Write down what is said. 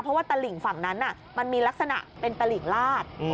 เพราะว่าตลิ่งฝั่งนั้นมันมีลักษณะเป็นตลิ่งลาด